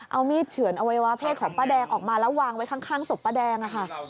เอามีดเฉือนอวัยวะเพศของป้าแดงออกมาแล้ววางไว้ข้างศพป้าแดงอะค่ะ